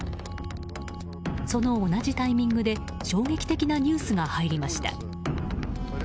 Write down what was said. その同じタイミングで衝撃的なニュースが入りました。